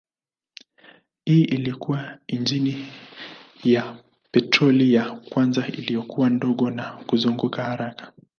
Hii ilikuwa injini ya petroli ya kwanza iliyokuwa ndogo na kuzunguka haraka.